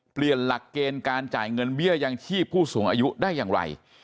เปลี่ยนหลักเกณฑ์การจ่ายเงินเบี้ยยังชีพผู้สูงอายุได้อย่างไร